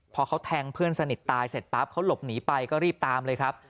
พอเขาแทงเพื่อนสนิทตายเสร็จปั๊บเขาหลบหนีไปก็รีบตามเลยครับ